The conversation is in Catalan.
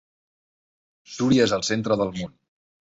Súria és el centre del món.